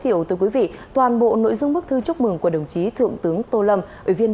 thiệu tới quý vị toàn bộ nội dung bức thư chúc mừng của đồng chí thượng tướng tô lâm ủy viên